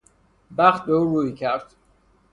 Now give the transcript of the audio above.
بخت به او روی کرد.